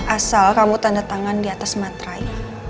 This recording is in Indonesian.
asal kamu tanda tangan di atas matrai